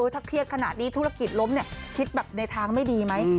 ถ้าเครียดขนาดนี้ธุรกิจล้มคิดแบบในทางไม่ดีไหม